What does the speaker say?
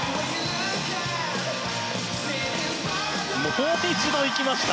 もう一度行きました！